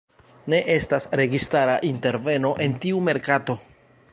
Ne estas registara interveno en tiu merkato.